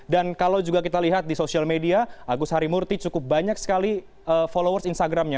dan kalau juga kita lihat di social media agus harimurti cukup banyak sekali followers instagramnya